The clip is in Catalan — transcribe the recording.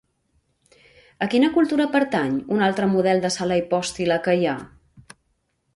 A quina cultura pertany un altre model de sala hipòstila que hi ha?